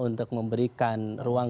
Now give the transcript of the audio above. untuk memberikan ruang